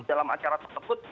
dalam acara tersebut